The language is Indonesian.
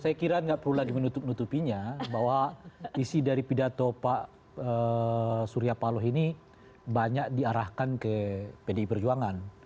saya kira nggak perlu lagi menutup nutupinya bahwa isi dari pidato pak surya paloh ini banyak diarahkan ke pdi perjuangan